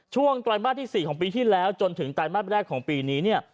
ช่วงตอนมาตรที่๔ของปีที่แล้วจนถึงตอนมาตรแรกของปีนี้